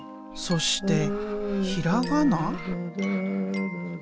そしてひらがな？